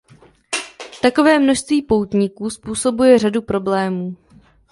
Takové množství poutníků způsobuje řadu problémů.